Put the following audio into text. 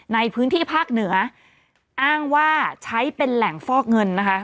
ในพื้นที่ภาคเหนืออ้างว่าใช้เป็นแหล่งฟอกเงินนะคะ